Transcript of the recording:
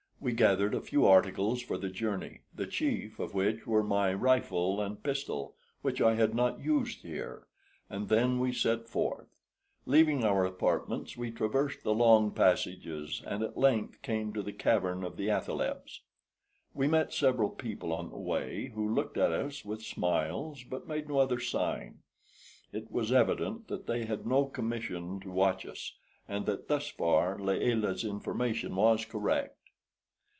We gathered a few articles for the journey, the chief of which were my rifle and pistol, which I had not used here, and then we set forth. Leaving our apartments we traversed the long passages, and at length came to the cavern of the athalebs. We met several people on the way, who looked at us with smiles, but made no other sign. It was evident that they had no commission to watch us, and that thus far Layelah's information was correct.